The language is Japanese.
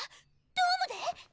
ドームで？